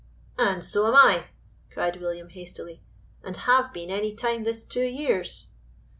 "And so am I!" cried William, hastily; "and have been any time this two years."